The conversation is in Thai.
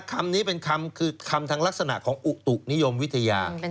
คำนี้เป็นคำคือคำทางลักษณะของอุตุนิยมวิทยา